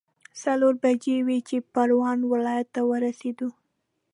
څلور بجې وې چې پروان ولايت ته ورسېدو.